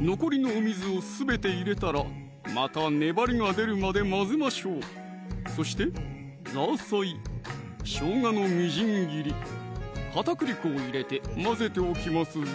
残りのお水をすべて入れたらまた粘りが出るまで混ぜましょうそしてザーサイ・しょうがのみじん切り・片栗粉を入れて混ぜておきますぞ